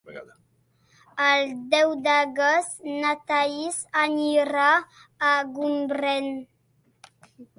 El deu d'agost na Thaís anirà a Gombrèn.